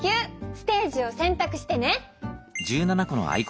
ステージをせんたくしてね。